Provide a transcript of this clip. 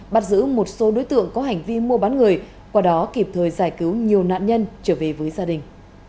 bắt giữ một số đối tượng có hành vi mua bán người qua đó kịp thời giải cứu nhiều nạn nhân trở về với gia đình